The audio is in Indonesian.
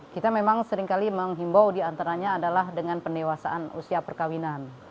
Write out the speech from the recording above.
kita memang seringkali menghimbau diantaranya adalah dengan pendewasaan usia perkawinan